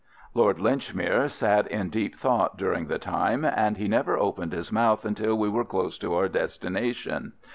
Lord Linchmere sat in deep thought during the time, and he never opened his mouth until we were close to our destination.